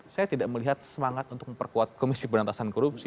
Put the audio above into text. saya tidak melihat semangat untuk memperkuat komisi pemberantasan korupsi